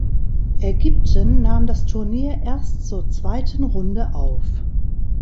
Ägypten nahm das Turnier erst zur zweiten Runde auf.